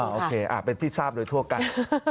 โอเคเป็นที่ทราบโดยทั่วกัน